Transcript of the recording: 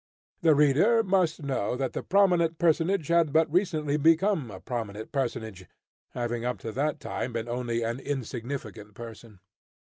The reader must know that the prominent personage had but recently become a prominent personage, having up to that time been only an insignificant person.